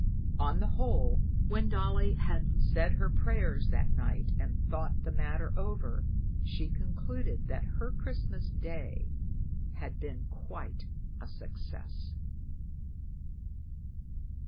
On the whole, when Dolly had said her prayers that night and thought the matter over, she concluded that her Christmas Day had been quite a success.